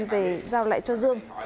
để giao lại cho dương